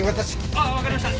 ああわかりました。